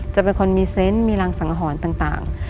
จะเป็นคนมีเซนต์มีรังสังหรณ์ต่าง